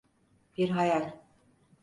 Bir hayal.